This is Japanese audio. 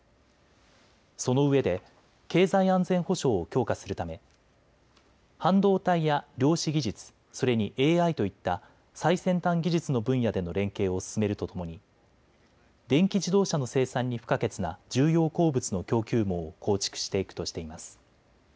そのうえで経済安全保障を強化するため半導体や量子技術、それにＡＩといった最先端技術の分野での連携を進めるとともに電気自動車の生産に不可欠な重要鉱物の供給網を構築していくとしています。